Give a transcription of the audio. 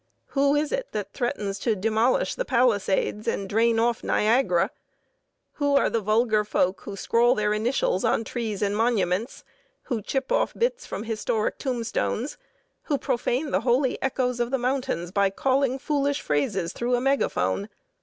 Who is it that threatens to demolish the Palisades and drain off Niagara? Who are the vulgar folk who scrawl their initials on trees and monuments, who chip off bits from historic tombstones, who profane the holy echoes of the mountains by calling foolish phrases through a megaphone?